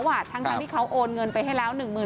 ทั้งที่เขาโอนเงินไปให้แล้ว๑๐๐๐